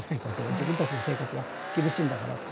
自分たちの生活が厳しいんだから。